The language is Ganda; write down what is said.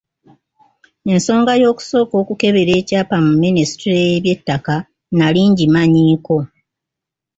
Ensonga y’okusooka okukebera ekyapa mu minisitule y'eby'ettaka nali ngimanyiiko.